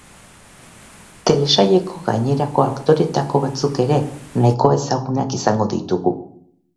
Telesaileko gainerako aktoreetako batzuk ere nahikoa ezagunak izango ditugu.